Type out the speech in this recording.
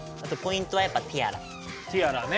ティアラね。